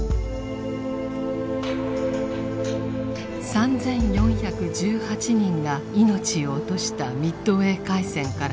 ３４１８人が命を落としたミッドウェー海戦から８１年。